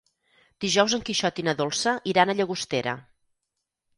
Dijous en Quixot i na Dolça iran a Llagostera.